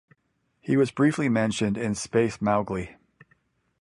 He was briefly mentioned in "Space Mowgli".